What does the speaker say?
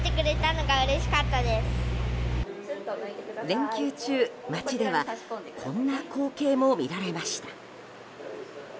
連休中、街ではこんな光景も見られました。